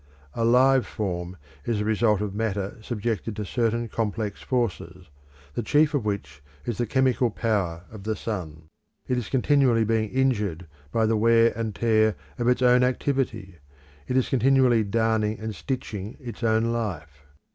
A live form is the result of matter subjected to certain complex forces, the chief of which is the chemical power of the sun. It is continually being injured by the wear and tear of its own activity; it is continually darning and stitching its own life.